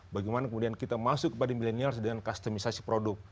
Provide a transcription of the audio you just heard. bagaimana kemudian kita masuk ke milenials dengan kustomisasi produk